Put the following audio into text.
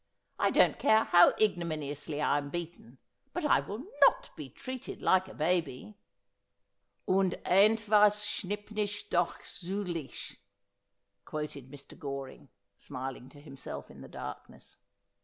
I don't care how ignominiously I am beaten ; but I will not be treated like a baby.' .' Und ehvas scJviij>2?ish dock mgleicJi,' quoted Mr. Ororing, smiling to himself in the darkness.